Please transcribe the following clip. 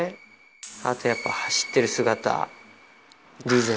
あとやっぱ走ってる姿。